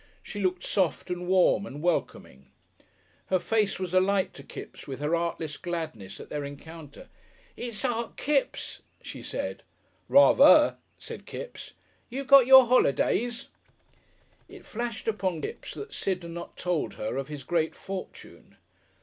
She looked soft and warm and welcoming. Her face was alight to Kipps with her artless gladness at their encounter. "It's Art Kipps!" she said. "Rather," said Kipps. "You got your holidays?" It flashed upon Kipps that Sid had not told her of his great fortune.